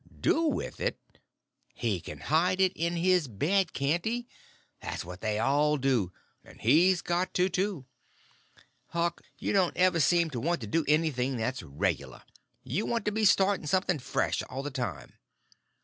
"Do with it? He can hide it in his bed, can't he?" That's what they all do; and he's got to, too. Huck, you don't ever seem to want to do anything that's regular; you want to be starting something fresh all the time.